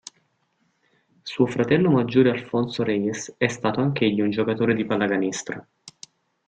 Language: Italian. Suo fratello maggiore Alfonso Reyes è stato anch'egli un giocatore di pallacanestro.